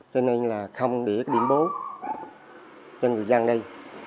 cho nên là không để cái điểm bố cho người dân đây